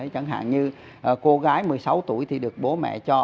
chẳng hạn như cô gái một mươi sáu tuổi thì được bố mẹ cho